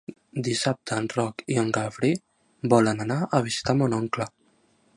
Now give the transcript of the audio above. Dissabte en Roc i en Garbí volen anar a visitar mon oncle.